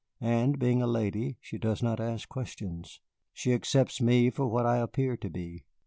And being a lady, she does not ask questions. She accepts me for what I appear to be."